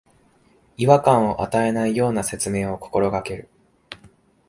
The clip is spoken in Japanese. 違和感を与えないような説明を心がける